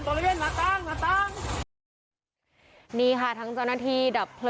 บริเวณหลังต่างหลังต่างนี่ค่ะทั้งเจ้าหน้าที่ดับเพลิง